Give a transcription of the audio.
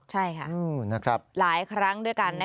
ใช่ค่ะหลายครั้งด้วยกัน